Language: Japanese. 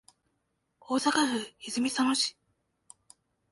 大阪府泉佐野市